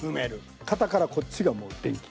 肩からこっちがもう電気。